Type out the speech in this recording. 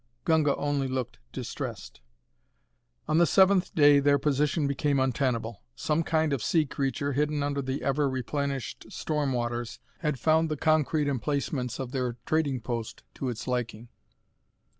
Gunga only looked distressed. On the seventh day their position became untenable. Some kind of sea creature, hidden under the ever replenished storm waters, had found the concrete emplacements of their trading post to its liking.